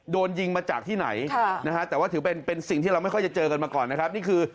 โดนยิงมาจากที่ไหนนะฮะแต่ว่าถือเป็นสิ่งที่เราไม่ค่อยจะเจอกันมาก่อนนะครับนี่คือ